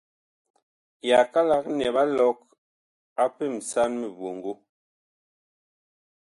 Yakalak nɛ ɓa lɔg a pemsan miɓɔŋgo.